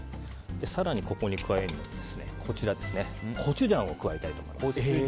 更に、ここに加えるのがコチュジャンを加えたいと思います。